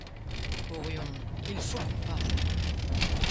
Orion : il faut qu’on parle.